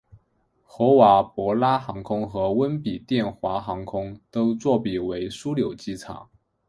合瓦博拉航空和温比殿华航空都作比为枢纽机场。